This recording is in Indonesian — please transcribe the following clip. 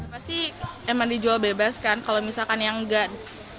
pasti emang dijual bebas kan kalau misalkan yang enggak